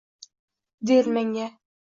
der menga.